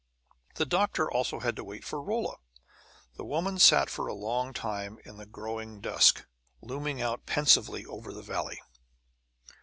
The doctor also had to wait for Rolla. The woman sat for a long time in the growing dusk, looming out pensively over the valley.